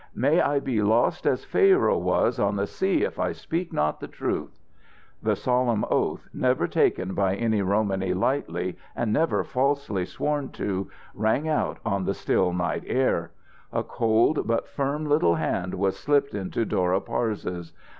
"May I be lost as Pharaoh was in the sea if I speak not the truth!" The solemn oath, never taken by any Romany lightly and never falsely sworn to, rang out on the still night air. A cold, but firm little hand was slipped into Dora Parse's.